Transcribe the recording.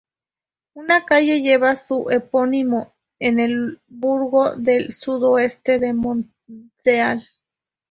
Una calle lleva su epónimo, en el burgo del sudoeste de Montreal.